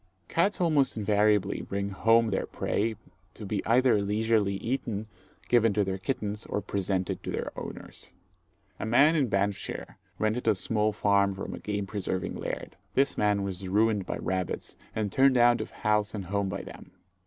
Cats almost invariably bring home their prey to be either leisurely eaten, given to their kittens, or presented to their owners. A man in Banffshire rented a small farm from a game preserving laird. This man was ruined by rabbits, and turned out of house and home by them.